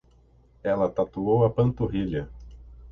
Ela tatuou a panturrilha